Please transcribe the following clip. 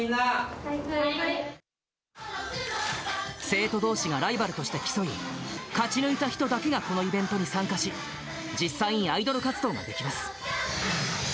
生徒どうしがライバルとして競い、勝ちぬいた人だけがこのイベントに参加し、実際にアイドル活動ができます。